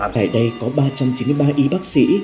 tại đây có ba trăm chín mươi ba y bác sĩ